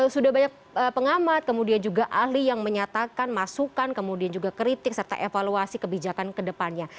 sudah banyak pengamat kemudian juga ahli yang menyatakan masukan kemudian juga kritik serta evaluasi kebijakan ke depannya